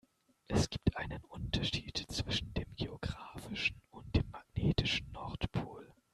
Es gibt einen Unterschied zwischen dem geografischen und dem magnetischen Nordpol.